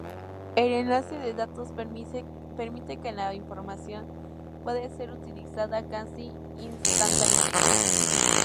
El enlace de datos permite que la información puede ser utilizada casi instantáneamente.